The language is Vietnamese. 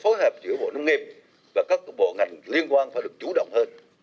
phối hợp giữa bộentre ughinec hai và các bộ ngành liên quan phải được chủ động hơn